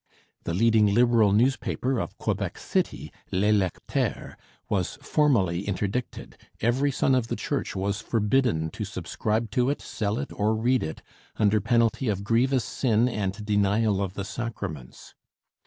The leading Liberal newspaper of Quebec City, L'Electeur, was formally interdicted every son of the Church was forbidden to subscribe to it, sell it, or read it, 'under penalty of grievous sin and denial of the sacraments.'